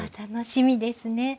楽しみですね。